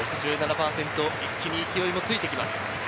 一気に勢いもついてきます。